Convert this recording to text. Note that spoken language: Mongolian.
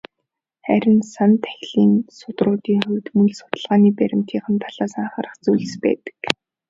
Харин "сан тахилгын судруудын" хувьд мөн л судалгааны баримтынх нь талаас анхаарах зүйлс байдаг.